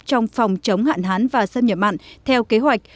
trong phòng chống hạn hán và xâm nhập mặn theo kế hoạch